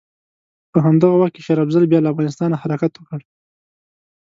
په همدغه وخت کې شېر افضل بیا له افغانستانه حرکت وکړ.